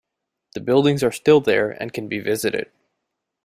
The buildings are still there and can be visited.